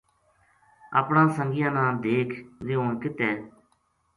اپنا سنگیاں نا دیکھ ویہ ہُن کت ہے